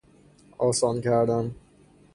آسان کردن